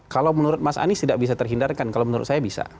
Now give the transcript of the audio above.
kalau menurut mas anies tidak bisa terhindarkan kalau menurut saya bisa